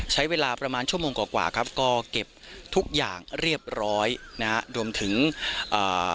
ใช้เวลาประมาณชั่วโมงกว่ากว่าครับก็เก็บทุกอย่างเรียบร้อยนะฮะรวมถึงอ่า